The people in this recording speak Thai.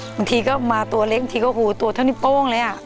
บางทีก็มาตัวเล็กทีก็คือตัวเท่านี้โป้งเลยอ่ะ